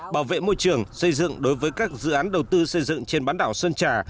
bảo vệ môi trường xây dựng đối với các dự án đầu tư xây dựng trên bán đảo sơn trà